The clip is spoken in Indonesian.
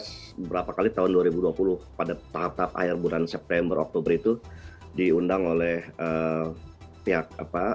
beberapa kali tahun dua ribu dua puluh pada tahap tahap akhir bulan september oktober itu diundang oleh pihak apa